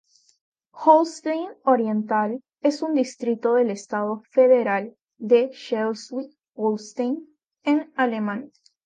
Holstein Oriental es un distrito del estado federal de Scheleswig-Holstein, en Alemania.